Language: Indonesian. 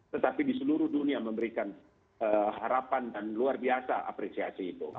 tetapi di seluruh dunia memberikan harapan dan luar biasa apresiasi itu